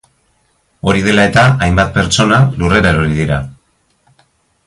Hori dela eta, hainbat pertsona lurrera erori dira.